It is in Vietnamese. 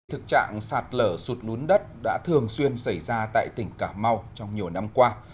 thực trạng sạt lở sụt lún đất đã thường xuyên xảy ra tại tỉnh cà mau trong nhiều năm qua